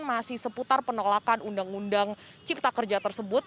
masih seputar penolakan undang undang cipta kerja tersebut